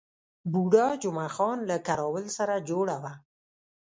بوډا جمعه خان له کراول سره جوړه وه.